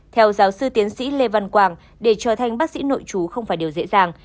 theo giáo sư tiến sĩ lê văn quảng để trở thành bác sĩ nội chú không phải điều dễ dàng